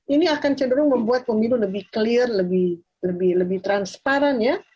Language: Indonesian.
ini akan cenderung membuat pemilu lebih clear lebih transparan ya